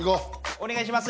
おねがいします。